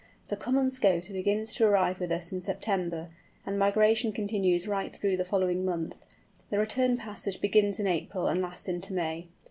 The Common Scoter begins to arrive with us in September, and the migration continues right through the following month. The return passage begins in April and lasts into May.